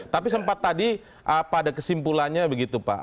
tapi sempat tadi apa ada kesimpulannya begitu pak